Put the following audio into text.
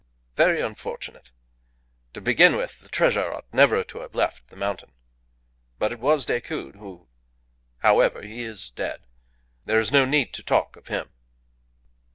Very unfortunate. To begin with, the treasure ought never to have left the mountain. But it was Decoud who however, he is dead. There is no need to talk of him."